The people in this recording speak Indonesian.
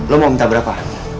lo mau minta berapa